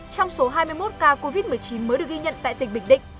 trong số hai mươi một ca covid một mươi chín mới được ghi nhận tại tỉnh bình định